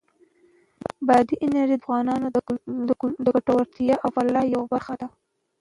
بادي انرژي د افغانانو د ګټورتیا او فلاح یوه برخه ده.